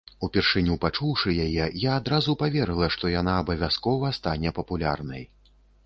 Упершыню пачуўшы яе, я адразу паверыла, што яна абавязкова стане папулярнай.